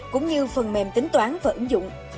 cũng như phần mềm tính toán và ứng dụng